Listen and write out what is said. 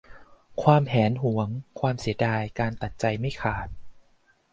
ความแหนหวง ความเสียดาย การตัดใจไม่ขาด